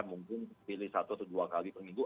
mungkin pilih satu atau dua kali per minggu